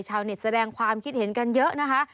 ชาวเน็ตแสดงความคิดเห็นกันเยอะนะคะ